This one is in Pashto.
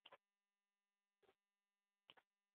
ما ورته وویل: داسې څه بیا مه وایه، ته یې په معنا نه پوهېږې.